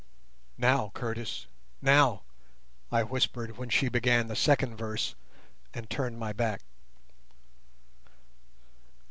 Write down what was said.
"Now, Curtis, now," I whispered, when she began the second verse, and turned my back.